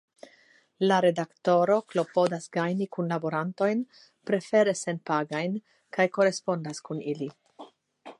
La Redaktoro klopodas gajni kunlaborantojn, prefere senpagajn, kaj korespondas kun ili.